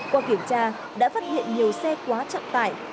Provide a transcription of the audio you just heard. qua kiểm tra đã phát hiện nhiều xe quá trọng tải